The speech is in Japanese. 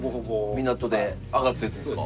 港で揚がったやつですか？